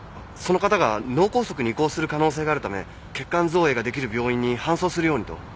その方が脳梗塞に移行する可能性があるため血管造影ができる病院に搬送するようにと。